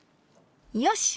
よし。